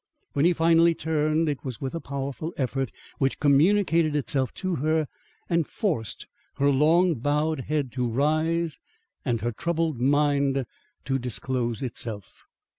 When he finally turned, it was with a powerful effort which communicated itself to her and forced her long bowed head to rise and her troubled mind to disclose itself.